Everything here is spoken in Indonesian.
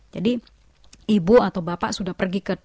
jadi ibu atau bapak sudah pergi ke